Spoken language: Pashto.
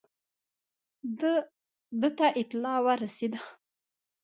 ده ته اطلاع ورسېده.